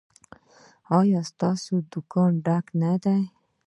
ایا ستاسو دکان ډک نه دی؟